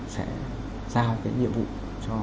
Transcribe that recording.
sẽ giao cái nhiệm vụ cho